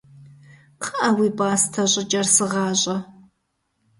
КхъыӀэ, уи пӀастэ щӀыкӀэр сыгъащӀэ!